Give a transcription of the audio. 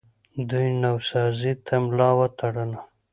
دوی نوسازۍ ته ملا وتړله